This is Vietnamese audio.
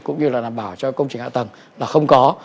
cũng như là đảm bảo cho công trình hạ tầng là không có